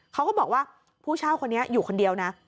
เขาก็บอกว่าผู้เช่าคนนี้อยู่คนเดียวนะ